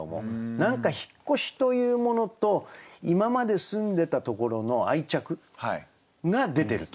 何か引越しというものと今まで住んでたところの愛着が出てると。